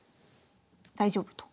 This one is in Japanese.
大丈夫と。